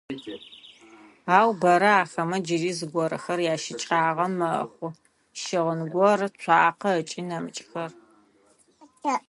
Ау бэрэ ахэмэ джыри зыгорэхэр ящыкӏагъэ мэхъу: щыгъын горэ, цуакъэ ыкӏи нэмыкӏхэр.